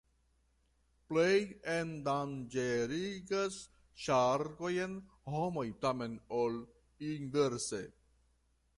Plej endanĝerigas ŝarkojn homoj, tamen, ol inverse.